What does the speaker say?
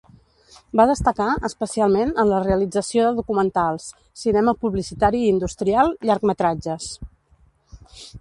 Va destacar, especialment, en la realització de documentals, cinema publicitari i industrial, llargmetratges.